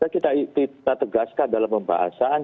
kita tegaskan dalam pembahasan